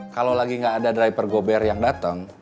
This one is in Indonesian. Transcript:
kalau lagi enggak ada driver gober yang dateng